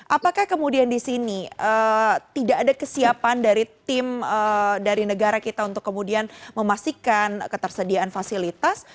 apakah kemudian di sini tidak ada kesiapan dari tim dari negara kita untuk kemudian memastikan ketersediaan fasilitas